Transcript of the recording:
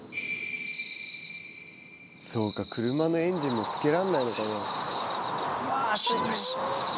そうか車のエンジンもつけらんないのかな。